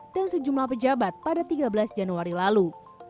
dan sejumlah pejabat pada tiga belas januari lalu